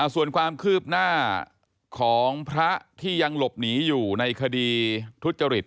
ส่วนความคืบหน้าของพระที่ยังหลบหนีอยู่ในคดีทุจริต